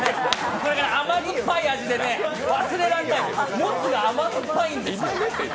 これが甘酸っぱい味で忘れられない、もつが甘酸っぱいんです。